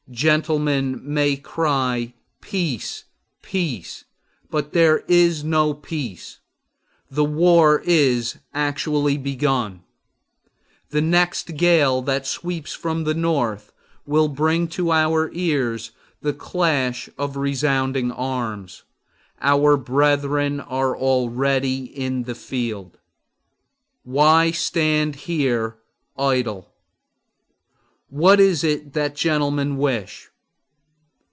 Gentlemen may cry, Peace, peace! but there is no peace. The war is actually begun! The next gale that sweeps from the North will bring to our ears the clash of resounding arms! Our brethren are already in the field! Why stand we here idle? What is it that gentlemen wish?